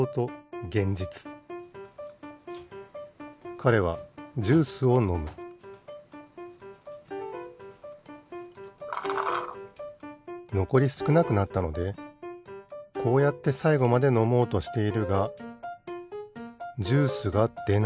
かれはジュースをのむのこりすくなくなったのでこうやってさいごまでのもうとしているがジュースがでない。